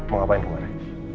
mau ngapain buahnya